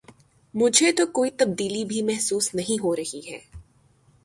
مجھے تو کوئی تبدیلی بھی محسوس نہیں ہو رہی ہے۔